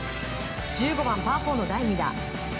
１５番、パー４の第２打。